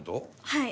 はい。